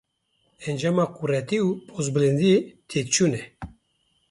Encama quretî û pozbilindiyê, têkçûn e.